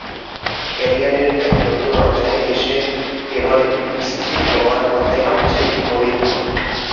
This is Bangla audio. ক্যারিয়ারের নতুন অধ্যায়ে এসে এবার একটু স্থির হওয়ার কথাই ভাবছেন মরিনহো।